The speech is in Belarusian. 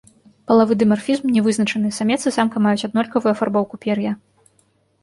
Палавы дымарфізм не вызначаны, самец і самка маюць аднолькавую афарбоўку пер'я.